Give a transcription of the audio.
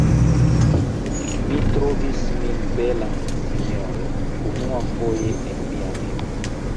Mi trovis min bela, sinjoro, unuafoje en mia vivo.